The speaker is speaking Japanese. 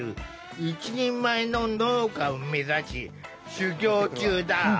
一人前の農家を目指し修業中だ。